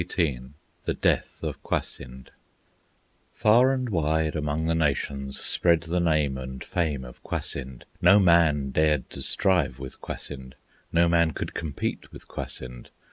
XVIII The Death of Kwasind Far and wide among the nations Spread the name and fame of Kwasind; No man dared to strive with Kwasind, No man could compete with Kwasind.